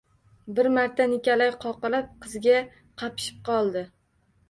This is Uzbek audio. Bir marta Nikolay qoqilib, qizga qapishib qoldi